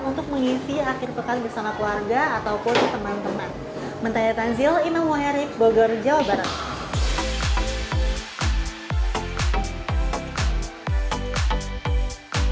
untuk mengisi akhir pekan bersama keluarga ataupun teman teman